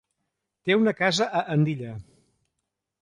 Té una casa a Andilla.